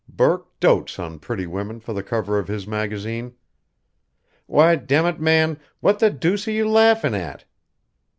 Burke dotes on pretty women for the cover of his magazine. Why, demmit, man, what the deuce are you laughing at?"